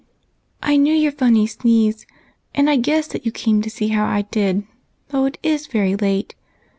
" I knew your funny sneeze, and I guessed that you came to see how I did, though it is very late.